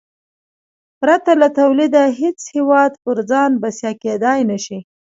پرته له تولیده هېڅ هېواد پر ځان بسیا کېدای نه شي.